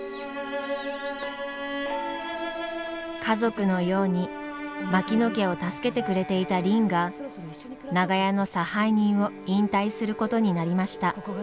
家族のように槙野家を助けてくれていたりんが長屋の差配人を引退することになりました。